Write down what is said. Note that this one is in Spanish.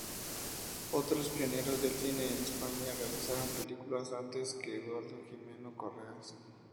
Otros pioneros del cine en España realizaron películas antes que Eduardo Jimeno Correas.